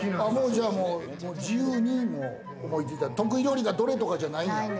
じゃあ自由に思いついた、得意料理がどれとかじゃないんだ。